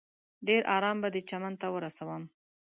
ډېر ارام به دې چمن ته ورسوم.